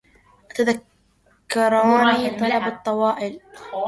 أتذكراني طلب الطوائل